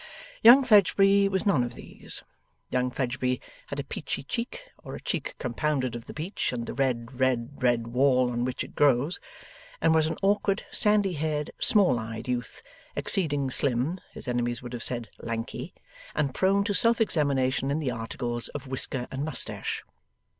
Young Fledgeby was none of these. Young Fledgeby had a peachy cheek, or a cheek compounded of the peach and the red red red wall on which it grows, and was an awkward, sandy haired, small eyed youth, exceeding slim (his enemies would have said lanky), and prone to self examination in the articles of whisker and moustache.